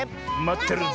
まってるよ！